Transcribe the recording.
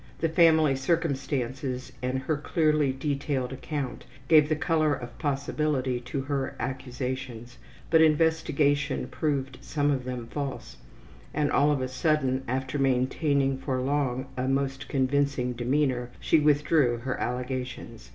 The family circumstances and her clearly detailed account gave the color of possibility to her accusations, but investigation proved some of them false, and all of a sudden, after maintaining for long a most convincing demeanor, she withdrew her allegations.